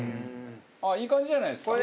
ああいい感じじゃないですか？